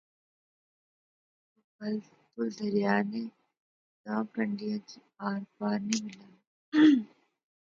لیکن یو پل دریا نے داں کنڈیاں کی آر پار نی ملانا